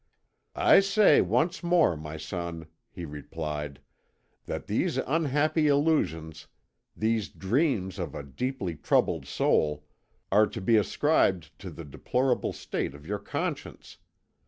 "I say once more, my son," he replied, "that these unhappy illusions, these dreams of a deeply troubled soul, are to be ascribed to the deplorable state of your conscience.